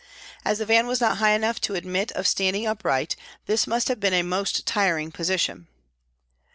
As the van was not high enough to admit of standing upright, this must have been a most tiring position.